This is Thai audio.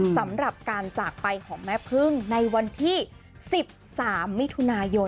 สำหรับการจากไปของแม่พึ่งในวันที่๑๓มิถุนายน